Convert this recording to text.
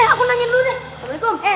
aku nanya dulu deh